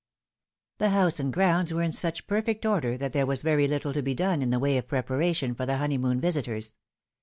THE house and grounds were in such perfect order that there was very little to be done in the way of preparation for the honeymoon visitors.